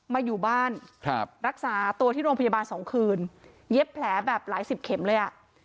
มาอยู่บ้านครับรักษาตัวที่โรงพยาบาลสองคืนเย็บแผลแบบหลายสิบเข็มเลยอ่ะ